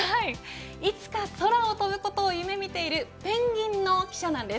いつか空を飛ぶことを夢見ているペンギンの記者なんです。